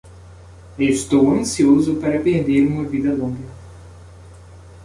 Estou ansioso para perder uma vida longa.